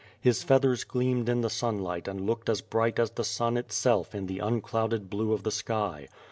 His feathers gleamed in the sunlight and looked as bright as the sun itself in the unclouded blue of the sky.